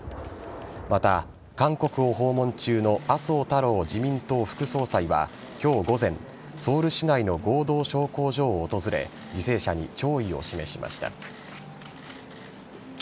また、韓国を訪問中の麻生太郎自民党副総裁は今日午前ソウル市内の合同焼香所を訪れ犠牲者に弔意を示しました。